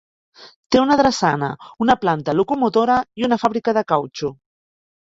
Té una drassana, una planta locomotora i una fàbrica de cautxú.